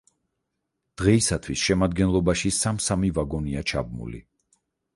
დღეისათვის შემადგენლობაში სამ-სამი ვაგონია ჩაბმული.